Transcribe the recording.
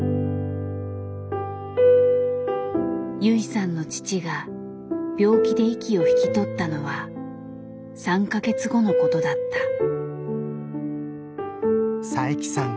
由衣さんの父が病気で息を引き取ったのは３か月後のことだった。